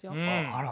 あら。